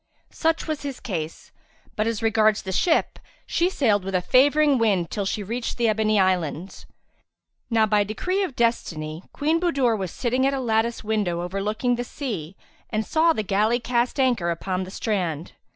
Such was his case; but as regards the ship she sailed with a favouring wind till she reached the Ebony Islands. Now by decree of destiny, Queen Budur was sitting at a lattice window overlooking the sea and saw the galley cast anchor upon the strand.